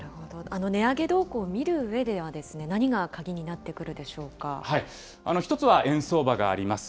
この値上げ動向を見るうえでは、何が鍵になってく１つは円相場があります。